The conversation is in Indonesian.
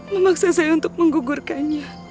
memaksa saya untuk menggugurkannya